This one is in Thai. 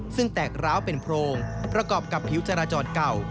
ซึ่งแตกร้าวเป็นโพรงประกอบกับผิวจราจรเก่า